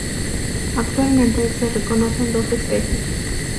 Actualmente se reconocen dos especies.